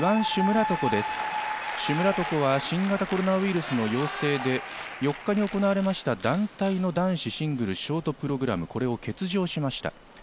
シュムラトコは新型コロナウイルスの陽性で４日に行われました団体の男子シングルショートプログラム、これを欠場しました。